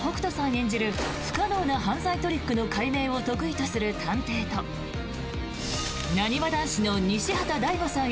演じる不可能な犯罪トリックの解明を得意とする探偵となにわ男子の西畑大吾さん